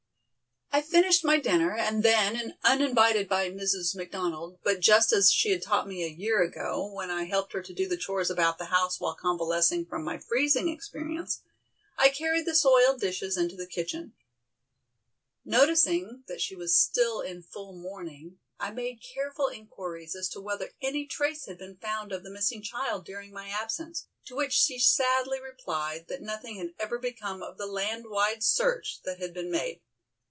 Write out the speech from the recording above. I finished my dinner, and then, uninvited by Mrs. McDonald, but just as she had taught me a year ago, when I helped her to do the chores about the house while convalescing from my freezing experience, I carried the soiled dishes into the kitchen. Noticing that she was still in full mourning, I made careful inquiries as to whether any trace had been found of the missing child during my absence, to which she sadly replied that nothing had ever become of the land wide search that had been made.